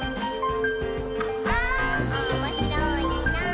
「おもしろいなぁ」